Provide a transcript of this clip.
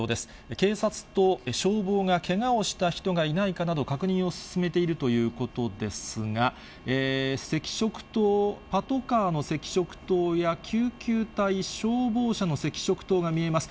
警察と消防がけがをした人がいないかなど、確認を進めているということですが、赤色灯、パトカーの赤色灯や救急隊、消防車の赤色灯が見えます。